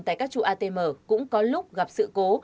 tại các trụ atm cũng có lúc gặp sự cố